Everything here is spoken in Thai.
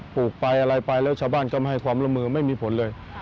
ลูกไปอะไรไปแล้วชาวบ้านก็ไม่ให้ความร่วมมือไม่มีผลเลย